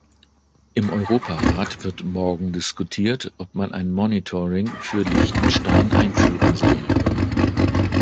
Im Europarat wird morgen diskutiert, ob man ein Monitoring für Liechtenstein einführen soll.